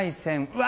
うわ！